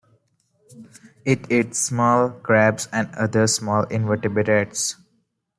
It eats small crabs and other small invertebrates.